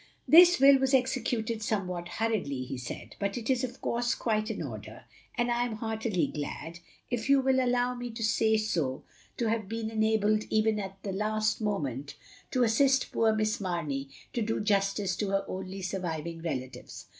"This will was executed somewhat hurriedly," he said, "but it is, of course, qtiite in order; and I am heartily glad, if you will allow me to say so, to have been enabled, even at the last moment, s 65 66 THE LONELY LADY to assist poor Miss Mamey to do justice to her only surviving relatives.